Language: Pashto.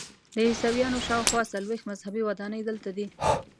د عیسویانو شاخوا څلویښت مذهبي ودانۍ دلته دي.